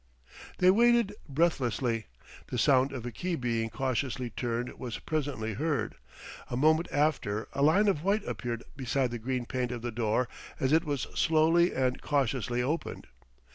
They waited breathlessly. The sound of a key being cautiously turned was presently heard. A moment after a line of white appeared beside the green paint of the door, as it was slowly and cautiously opened.